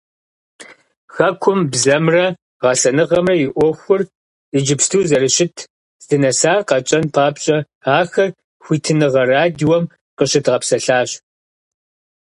Хэкум бзэмрэ гъэсэныгъэмрэ и Ӏуэхур иджыпсту зэрыщыт, здынэсар къэтщӀэн папщӏэ ахэр Хуитыныгъэ радиом къыщыдгъэпсэлъащ.